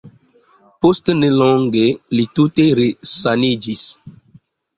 Post nelonge, li tute resaniĝis.